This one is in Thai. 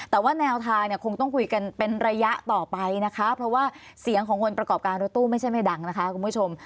แต่ว่าแนวทางเนี่ยคงต้องคุยกันเป็นระยะต่อไปนะคะเพราะว่าเสียงของคนประกอบการรถตู้ไม่ใช่ไม่ดังนะคะคุณผู้ชม